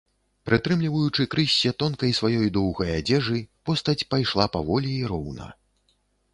Прытрымліваючы крыссе тонкай сваёй доўгай адзежы, постаць пайшла паволі і роўна.